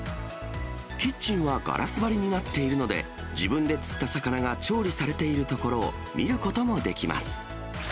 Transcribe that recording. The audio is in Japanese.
キッチンはガラス張りになっているので、自分で釣った魚が調理されているところを見ることもできます。